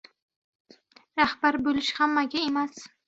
• Rahbar bo‘lish hammaga emas.